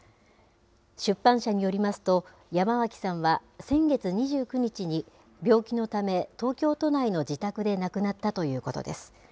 出版社によりますと、山脇さんは先月２９日に、病気のため、東京都内の自宅で亡くなったということです。